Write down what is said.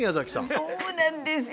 そうなんですよ。